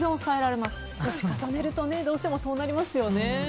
年を重ねるとどうしてもそうなりますよね。